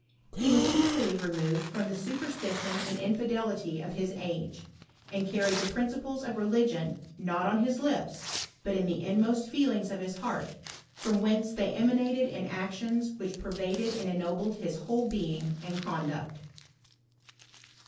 He was equally removed from the superstition and infidelity of his age, and carried the principles of religion, not on his lips, but in the inmost feelings of his heart, from whence they emanated in actions which pervaded and ennobled his whole being and conduct.